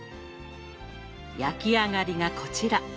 焼き上がりがこちら。